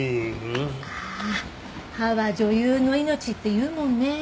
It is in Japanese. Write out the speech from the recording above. ああ歯は女優の命って言うもんね。